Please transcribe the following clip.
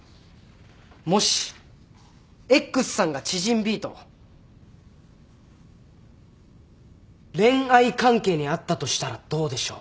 もしＸさんが知人Ｂと恋愛関係にあったとしたらどうでしょう？